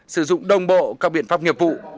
sử dụng đồng bộ các biện pháp nghiệp vụ